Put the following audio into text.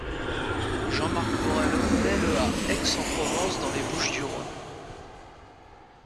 Jean-Marc Borello naît le à Aix-en-Provence, dans les Bouches-du-Rhône.